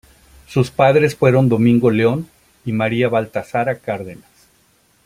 Sus padres fueron Domingo León y María Baltasara Cárdenas.